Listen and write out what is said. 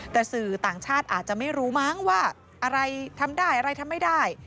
แต่สื่อต่างชาติอาจจะไม่รู้มั้งว่าอะไรทำได้อะไรทำไม่ได้